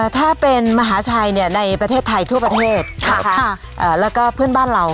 ถ้าเป็นมหาชัยในประเทศไทยทั่วประเทศแล้วก็เพื่อนบ้านเรา